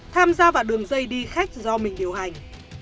tham gia vào đường dây đi khách do mình điều hành